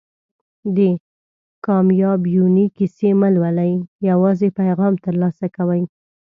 د کامیابیونې کیسې مه لولئ یوازې پیغام ترلاسه کوئ.